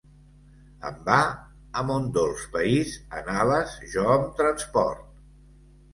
En va a mon dolç país en ales jo em transport